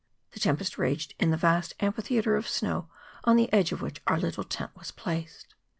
The tempest raged in the vast amphi¬ theatre of snow on the edge of which our little tent was placed.